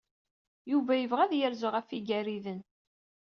Yuba yebɣa ad yerzu ɣef Igariden.